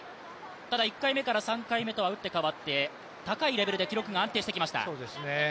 ただ１回目から３回目とは打って変わって、高いレベルで記録が安定してきました。